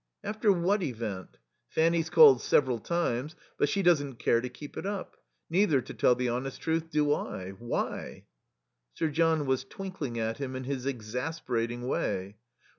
"After what event? Fanny's called several times, but she doesn't care to keep it up. Neither, to tell the honest truth, do I.... Why?" Sir John was twinkling at him in his exasperating way.